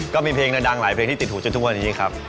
ก็มีเพลงดังที่ติดหูจนทุกวันนี้ครับ